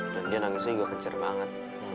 dan dia nangisnya juga kecer banget